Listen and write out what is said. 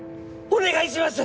お願いします！